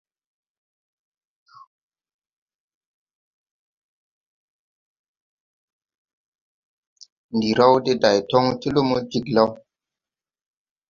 Ndi raw de day toŋ ti lumo jiglaw.